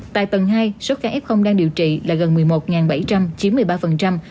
tại tầng hai số ca f đang điều trị là gần một mươi một bảy trăm linh chiếm một mươi ba